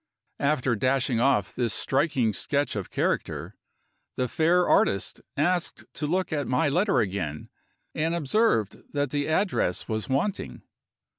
After dashing off this striking sketch of character, the fair artist asked to look at my letter again, and observed that the address was wanting.